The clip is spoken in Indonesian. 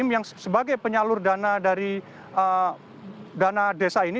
yang sebagai penyalur dana dari dana desa ini